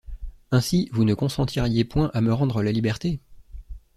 Ainsi, vous ne consentiriez point à me rendre la liberté?